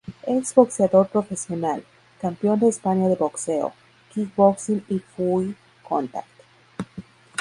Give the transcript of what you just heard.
Ex boxeador profesional, campeón de España de boxeo, kick boxing y full contact.